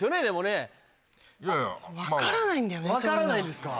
分からないんですか。